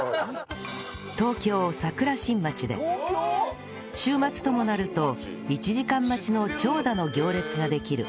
東京桜新町で週末ともなると１時間待ちの長蛇の行列ができる